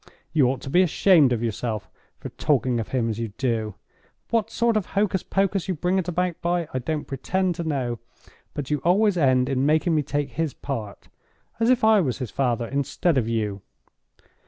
You ought to be ashamed of yourself for talking of him as you do. What sort of hocus pocus you bring it about by, I don't pretend to know; but you always end in making me take his part, as if I was his father instead of you.